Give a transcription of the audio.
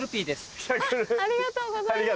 ありがとうございます。